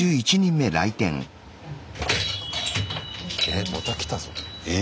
えまた来たぞ。え？